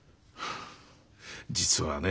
実はね。